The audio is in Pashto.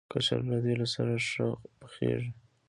کچالو له تېلو سره ښه پخېږي